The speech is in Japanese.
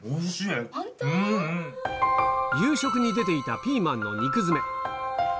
夕食に出ていたピーマンの肉詰め。